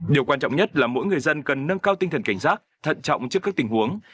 điều quan trọng nhất là mỗi người dân cần nâng cao tinh thần cảnh giác thận trọng trước các tình huống